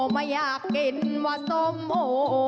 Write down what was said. ไม่อยากกินว่าส้มโอ